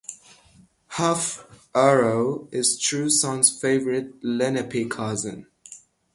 Half Arrow is True Son's favorite Lenape cousin.